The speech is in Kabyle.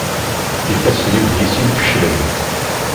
Ifassen-iw di sin feclen.